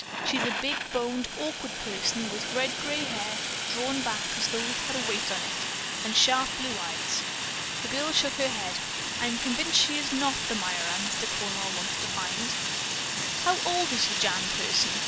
She is a big boned, awkward person with red grey hair drawn back as though it had a weight on it, and sharp blue eyes." The girl shook her head. "I'm convinced she is not the Myra Mr. Cornwall wants to find." "How old is the jam person?"